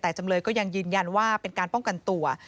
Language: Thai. แต่จำเลยก็ยังยืนยันว่าเป็นการป้องกันตัว